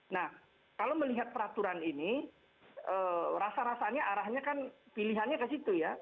nah kalau melihat peraturan ini rasa rasanya arahnya kan pilihannya ke situ ya